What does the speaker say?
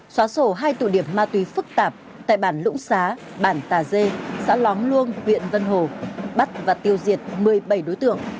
xóa sổ hai tụ điểm ma túy phức tạp tại bản lũng xá bản tà dê xã lóng luông huyện vân hồ bắt và tiêu diệt một mươi bảy đối tượng